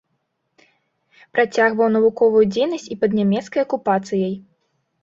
Працягваў навуковую дзейнасць і пад нямецкай акупацыяй.